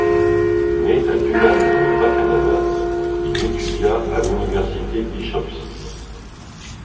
Né à Dunham dans le Bas-Canada, il étudia à l'Université Bishop's.